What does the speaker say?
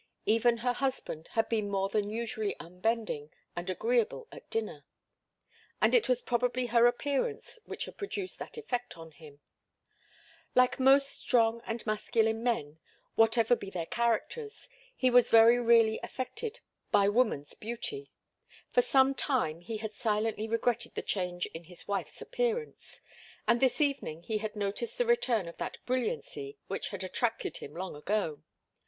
Even her husband had been more than usually unbending and agreeable at dinner, and it was probably her appearance which had produced that effect on him. Like most very strong and masculine men, whatever be their characters, he was very really affected by woman's beauty. For some time he had silently regretted the change in his wife's appearance, and this evening he had noticed the return of that brilliancy which had attracted him long ago.